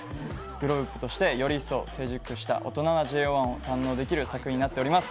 グループとしてより一層成熟した大人なＪＯ１を堪能できる作品になっております。